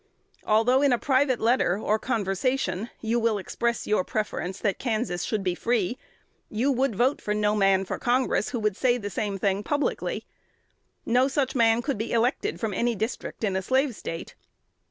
Although in a private letter, or conversation, you will express your preference that Kansas shall be free, you would vote for no man for Congress who would say the same thing publicly. No such man could be elected from any district in a Slave State.